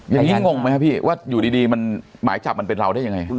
อย่างนี้งงไหมครับพี่ว่าอยู่ดีหมายจับมันเป็นเราได้ยังไง